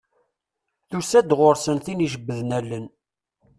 Tusa-d ɣur-sen tin ijebbden allen.